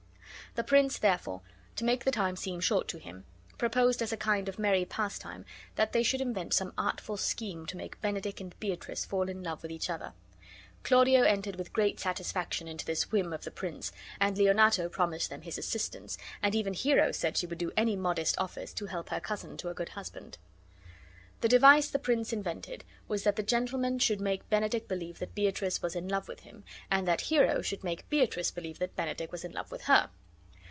The prince, therefore, to make the time seem short to him, proposed as a kind of merry pastime that they should invent some artful scheme to make Benedick and Beatrice fall in love with each other. Claudio entered with great satisfaction into this whim of the prince, and Leonato promised them his assistance, and even Hero said she would do any modest office to help her cousin to a good husband. The device the prince invented was that the gentlemen should make Benedick believe that Beatrice was in love with him, and that Hero should make Beatrice believe that Benedick was in love with her.